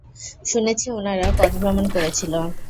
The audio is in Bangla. শুনেছি উনারা পদভ্রমন করেছিল।